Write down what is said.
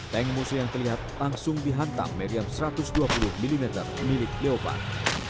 tank musuh yang terlihat langsung dihantam meriam satu ratus dua puluh mm milik leopard